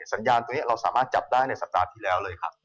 สัญญาณตัวนี้เราสามารถจับได้ในสัปดาห์ที่แล้วเลยครับ